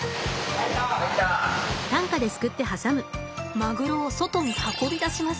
マグロを外に運び出します。